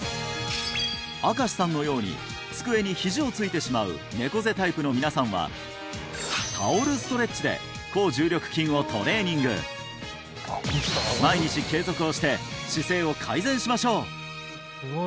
赤司さんのように机にひじをついてしまう猫背タイプの皆さんはタオルストレッチで抗重力筋をトレーニング毎日継続をして姿勢を改善しましょう！